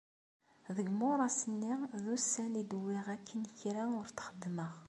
Deg imuras-nni, d ussan i d-wwiɣ akken kra ur t-xeddmeɣ.